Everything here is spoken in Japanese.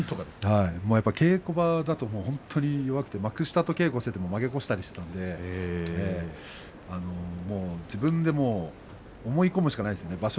稽古場だと本当に弱くて幕下と稽古をしていて負けたりして自分で思い込むしかないですね